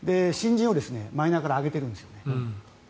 新人をマイナーから上げてるんです。